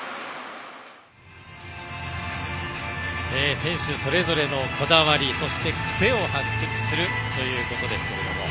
選手それぞれのこだわりそして、クセを発掘するということですけども。